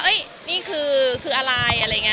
เห้ยนี่คืออะไรอะไรยง่ะ